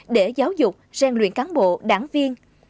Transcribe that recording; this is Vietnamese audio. để giáo dục gian luyện cán bộ đảng viên